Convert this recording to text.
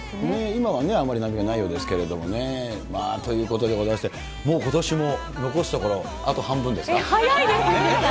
今はあまり波がないようですけれどもね。ということでございまして、もうことしも残すところ、早いです、ヒデさん。